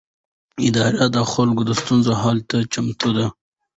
اداره د خلکو د ستونزو حل ته چمتو ده.